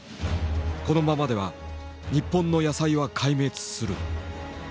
「このままでは日本の野菜は壊滅する」。